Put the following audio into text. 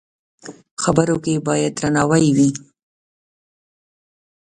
خبرو کې باید درناوی وي